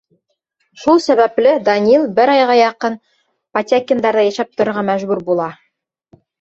Шул сәбәпле Данил бер айға яҡын Потякиндарҙа йәшәп торорға мәжбүр була.